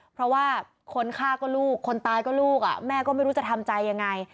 เพราะว่าคนฆ่าก็ลูกคนตายก็ลูกแม่ก็ไม่รู้จะทำใจยังไง